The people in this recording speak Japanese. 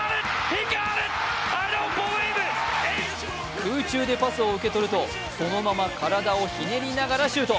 空中でパスを受け取るとそのまま体をひねりながらシュート。